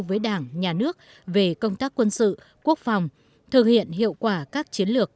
tổ chức đảng nhà nước về công tác quân sự quốc phòng thực hiện hiệu quả các chiến lược